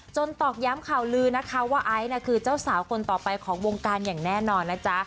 ตอกย้ำข่าวลือนะคะว่าไอซ์คือเจ้าสาวคนต่อไปของวงการอย่างแน่นอนนะจ๊ะ